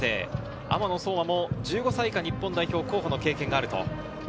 雨野颯真も１５歳以下日本代表候補の経験がある。